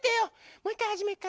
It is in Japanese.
もういっかいはじめから。